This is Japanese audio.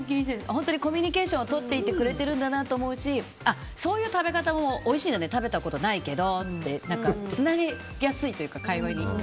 本当にコミュニケーションをとっていてくれてるんだなと思うしそういう食べ方もおいしいよね食べたことないけどってつなげやすいというか会話に。